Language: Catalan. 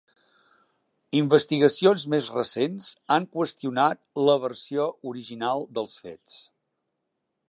Investigacions més recents han qüestionat la versió original dels fets.